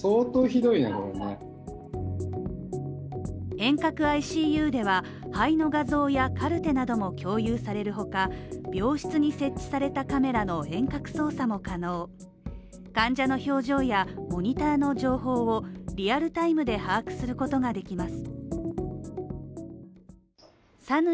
遠隔ＩＣＵでは肺の画像やカルテなども共有されるほか病室に設置されたカメラの遠隔操作も可能患者の表情やモニターの情報をリアルタイムで把握することができます